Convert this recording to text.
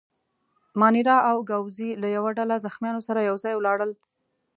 مانیرا او ګاووزي له یوه ډله زخیمانو سره یو ځای ولاړل.